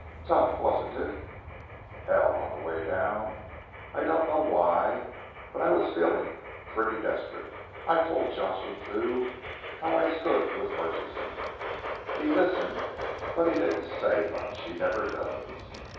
"Tough, wasn't it?" "Hell! On the way down I don't know why, but I was feeling pretty desperate I told Jocelyn Thew how I stood with Murchison. He listened but he didn't say much. He never does.